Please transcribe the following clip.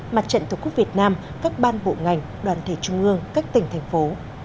mặt trận tổ quốc việt nam các ban bộ ngành đoàn thể trung ương các tỉnh thành phố